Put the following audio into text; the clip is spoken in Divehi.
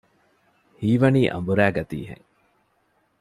ހީވަނީ އަނބުރައިގަތީ ހެން